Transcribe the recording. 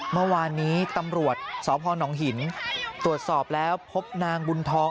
เมื่อวานนี้ตำรวจสพนหินตรวจสอบแล้วพบนางบุญทอง